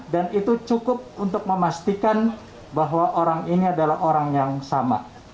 dan itu cukup untuk memastikan bahwa orang ini adalah orang yang sama